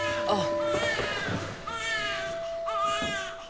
あっ。